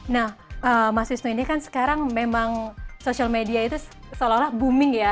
nah mas wisnu ini kan sekarang memang social media itu seolah olah booming ya